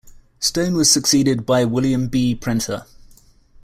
Stone was succeeded by William B. Prenter.